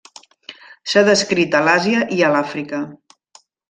S'ha descrit a l'Àsia i a l'Àfrica.